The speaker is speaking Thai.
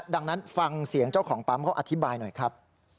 ดังนั้นฟังเสียงเจ้าของปั๊มเขาอธิบายหน่อยครับ